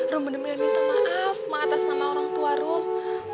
rum bener bener minta maaf atas nama orang tua rum